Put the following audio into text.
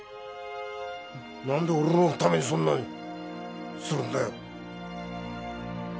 なんで俺のためにそんなにするんだよ？